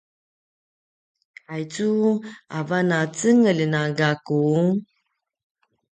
aicu avan a cengelj na gaku?